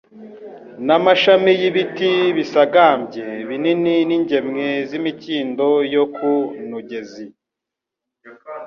n'amashami y'ibiti bisagambye binini n'ingemwe z'imikindo yo ku nugezi."